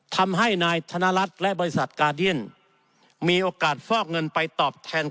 ทำให้นายธนรัฐและบริษัทกาเดียนมีโอกาสฟอกเงินไปตอบแทน